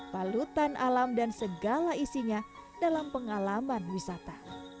palutan alam dan segala isinya dalam pengalaman wisata